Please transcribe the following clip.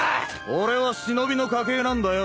俺は忍の家系なんだよ。